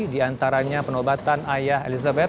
di antaranya penobatan ayah elizabeth